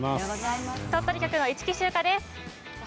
鳥取局の市来秋果です。